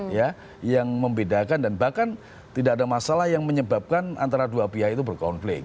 ya yang membedakan dan bahkan tidak ada masalah yang menyebabkan antara dua pihak itu berkonflik